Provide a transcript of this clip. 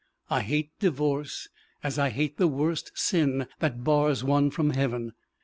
I hate divorce as I hate the worst sin that bars one from Heaven.